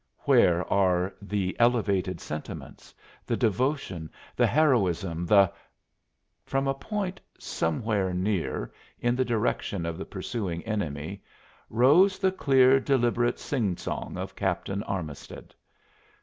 Where are the elevated sentiments, the devotion, the heroism, the " From a point somewhere near, in the direction of the pursuing enemy, rose the clear, deliberate sing song of Captain Armisted.